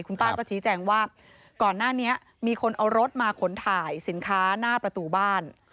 คุณป้าก็ชี้แจงว่าก่อนหน้านี้มีคนเอารถมาขนถ่ายสินค้าหน้าประตูบ้าน